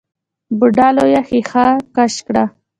بوډا لويه ښېښه کش کړه.